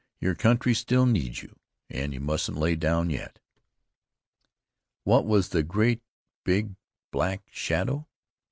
Your country still needs you and you mustn't lay down yet." What was the great big black shadow?